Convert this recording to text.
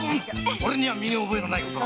俺には身に覚えのないことだ。